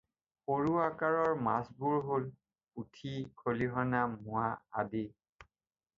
সৰু আকাৰৰ মাছবোৰ হ'ল পুঠি, খলিহনা, মোৱা আদি